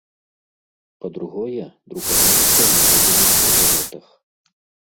Па-другое, друкавалася ў моладзевых газетах.